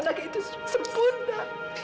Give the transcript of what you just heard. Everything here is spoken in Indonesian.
anaknya itu sempurna